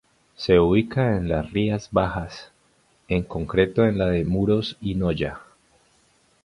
Se ubica en las Rías Bajas, en concreto en la de Muros y Noya.